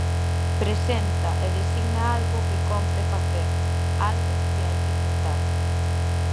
Presenta e designa algo que cómpre facer, algo que hai que tentar.